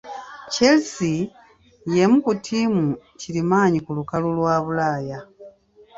Chelsea y'emu ku ttiimu kirimaanyi ku lukalu lwa Bulaaya.